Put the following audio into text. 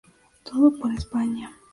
Todo por España.